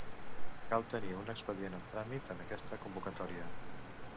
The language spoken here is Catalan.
Cal tenir un expedient en tràmit en aquesta convocatòria.